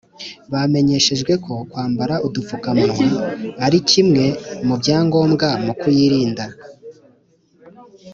bamenyeshejwe ko kwambara udupfukamunwa arikimwe mu byangombwa mu kuyirinda